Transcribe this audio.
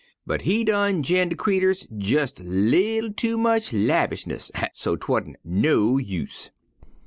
But he done gin de creeturs jes' li'l too much 'havishness, so 'twan't no use.